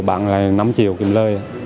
bạn lại năm triệu kiếm lời